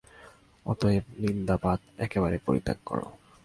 অতএব নিন্দাবাদ একেবারে পরিত্যাগ কর।